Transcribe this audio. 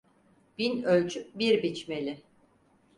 Bin ölçüp bir biçmeli.